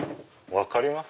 「分かります？」。